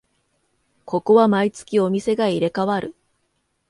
ここは毎月お店が入れ替わる